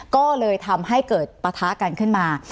ก็เลยทำให้เกิดปะทะกันขึ้นมา